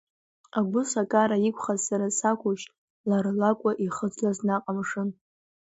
Агәысакара иқәхаз сара сакәушь, лара лакәу ихыӡлаз наҟ амшын.